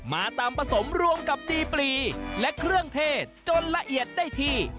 มาตามผสมรวมกับตีปลีและเครื่องเทศจนละเอียดได้ที่